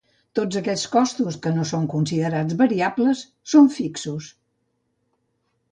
Tots aquells costos que no són considerats variables són fixos.